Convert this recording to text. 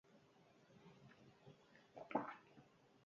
Mirakuluak eta amets magikoak premiazkoak dira irauteko.